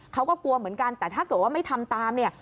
เขาก็กลัวเหมือนกันแต่ถ้าเกิดว่าไม่ทำตามเนี่ย